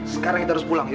sekarang kita harus pulang